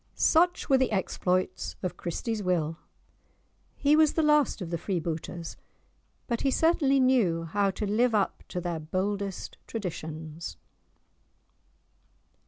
Such were the exploits of Christie's Will; he was the last of the free booters, but he certainly knew how to live up to their boldest traditions.